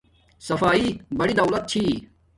صفاݷݵ بڑی دولت چھی